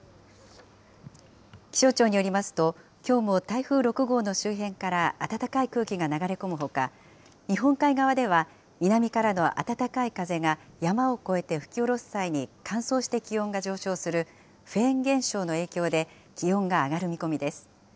気象庁によりますと、きょうも台風６号の周辺から暖かい空気が流れ込むほか、日本海側では、南からの暖かい風が山を越えて吹き降ろす際に乾燥して気温が上昇するフェーン現象の影響で、気温が上がる見込みです。